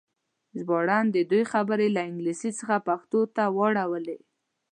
ژباړن د دوی خبرې له انګلیسي څخه پښتو ته واړولې.